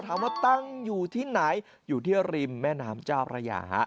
ตั้งอยู่ที่ไหนอยู่ที่ริมแม่น้ำเจ้าพระยาฮะ